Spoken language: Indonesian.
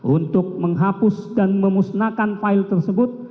untuk menghapus dan memusnahkan file tersebut